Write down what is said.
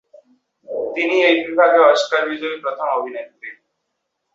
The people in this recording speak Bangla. তিনিই এই বিভাগে অস্কার বিজয়ী প্রথম অভিনেত্রী।